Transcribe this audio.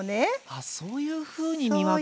あそういうふうに見分けるんだ。